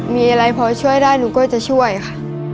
มีอะไรพอช่วยได้หนูก็จะช่วยค่ะ